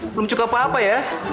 belum cukup apa apa ya